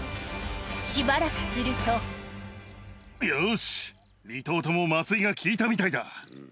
しばらくするとよし２頭とも麻酔が効いたみたいだ。